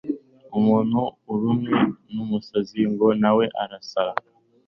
Umuntu urumwe n’umusazi ngo nawe arasara